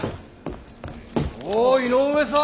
おぉ井上さん！